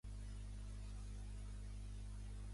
Un West Highland Terrier corre per un camp.